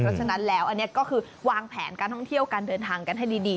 เพราะฉะนั้นแล้วอันนี้ก็คือวางแผนการท่องเที่ยวการเดินทางกันให้ดี